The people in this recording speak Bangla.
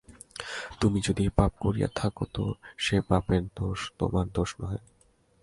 তুমি যদি পাপ করিয়া থাক তো সে পাপের দোষ, তােমার দোষ নহে।